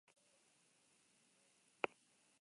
Hala ere, agintariek lau susmagarri aske utzi zituzten.